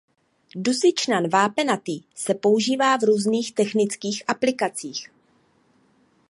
Dusičnan vápenatý se používá v různých technických aplikacích.